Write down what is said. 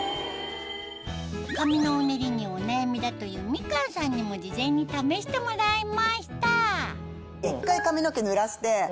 髪のうねりにお悩みだというみかんさんにも事前に試してもらいました一回。